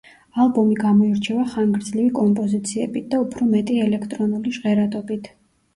ალბომი გამოირჩევა ხანგრძლივი კომპოზიციებით და უფრო მეტი ელექტრონული ჟღერადობით.